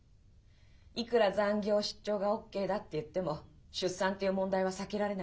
いくら残業・出張がオッケーだって言っても出産っていう問題は避けられないでしょう？